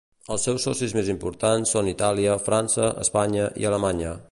Els seus socis més importants són Itàlia, França, Espanya i Alemanya.